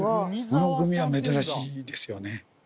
この「桾」は珍しいですよね。